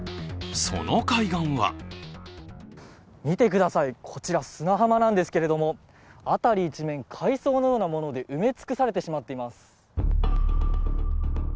その海岸は見てください、こちら砂浜なんですけども、辺り一面、海藻のようなもので埋め尽くされてしまっています。